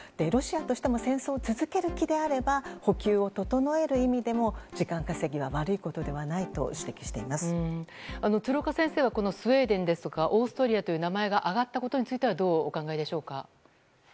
ロシアとしても戦争を続ける気であれば補給を整える意味でも時間稼ぎは悪いことではないと鶴岡先生はこのスウェーデンですとかオーストリアという名前が挙がったことについてはどうお考えでしょうか。